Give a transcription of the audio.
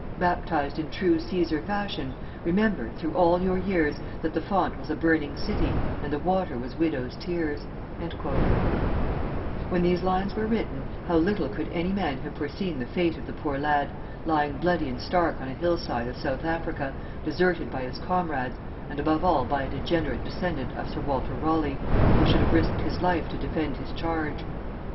Baptized in true Cæsar fashion, Remember, through all your years, That the font was a burning city, And the water was widows' tears,'" When these lines were written, how little could any man have foreseen the fate of the poor lad, lying bloody and stark on a hillside of South Africa, deserted by his comrades, and above all by a degenerate descendant of Sir Walter Raleigh, who should have risked his life to defend his charge!